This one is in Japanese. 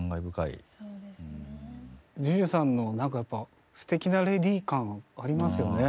ＪＵＪＵさんのなんかやっぱ素敵なレディ感ありますよね。